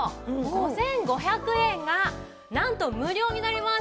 ５５００円がなんと無料になります。